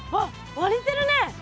割れてるね。